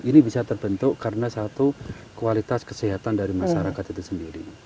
ini bisa terbentuk karena satu kualitas kesehatan dari masyarakat itu sendiri